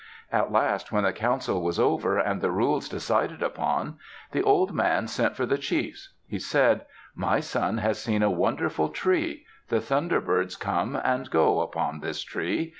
At last, when the council was over and the rules decided upon, the old man sent for the chiefs. He said, "My son has seen a wonderful tree. The Thunder Birds come and go upon this tree.